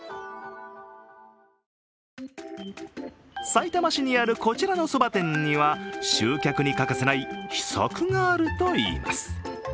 さいたま市にある、こちらのそば店には集客に欠かせない秘策があるといいます。